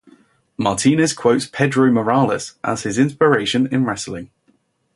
Martinez quotes Pedro Morales as his inspiration in wrestling.